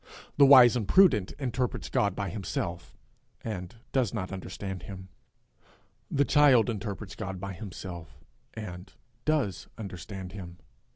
The wise and prudent interprets God by himself, and does not understand him; the child interprets God by himself, and does understand him.